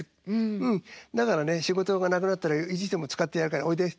うんだからね仕事がなくなったらいつでも使ってやるからおいで」。